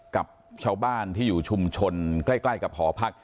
กับชาวบ้านที่อยู่ชุมชนใกล้กับหอพัก